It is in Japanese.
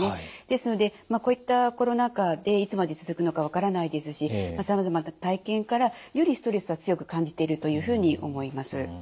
ですのでこういったコロナ禍でいつまで続くのか分からないですしさまざまな体験からよりストレスは強く感じているというふうに思います。